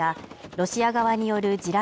ロシア側による地雷